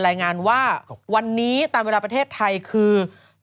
รายงานว่าวันนี้ตามเวลาประเทศไทยคือ